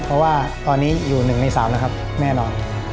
เพราะว่าตอนนี้อยู่๑ใน๓แล้วครับแน่นอน